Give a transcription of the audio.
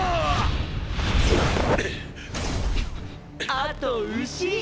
あと牛！